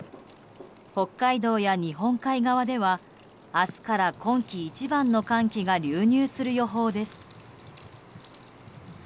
北海道や日本海側では明日から今季一番の寒気が流入する予報です。